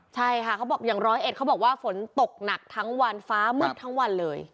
ใช่ค่ะเขาบอกอย่างร้อยเอ็ดเขาบอกว่าฝนตกหนักทั้งวันฟ้ามืดทั้งวันเลย